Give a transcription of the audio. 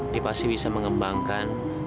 dia pasti bisa mengembangkan